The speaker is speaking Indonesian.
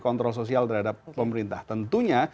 kontrol sosial terhadap pemerintah tentunya